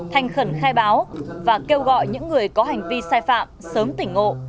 thành khẩn khai báo và kêu gọi những người có hành vi sai phạm sớm tỉnh ngộ